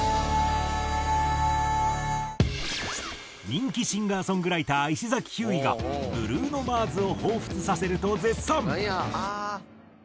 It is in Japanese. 人気シンガーソングライター石崎ひゅーいがブルーノ・マーズを彷彿させると絶賛。